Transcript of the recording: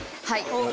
はい。